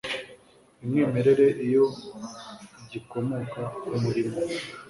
umwimerere iyo gikomoka ku murimo